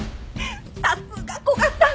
さすが古賀さん！